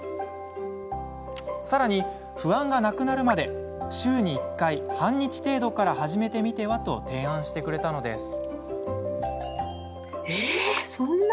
さらに、不安がなくなるまで週に１回、半日程度から始めてみてはと提案してくれたのです。